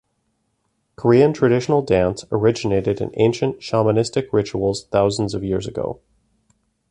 Korean traditional dance originated in ancient shamanistic rituals thousands of years ago.